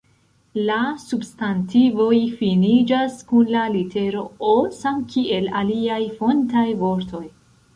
La substantivoj finiĝas kun la litero “O” samkiel aliaj fontaj vortoj.